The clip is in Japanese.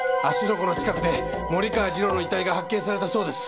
湖の近くで森川次郎の遺体が発見されたそうです。